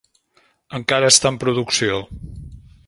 Encara està en producció.